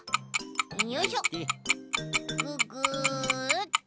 よいしょぐぐっ。